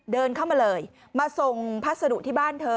เดินเข้ามาเลยมาส่งพัสดุที่บ้านเธอ